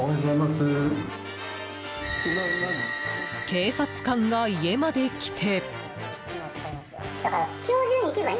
警察官が家まで来て。